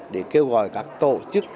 để kêu gọi các tổ chức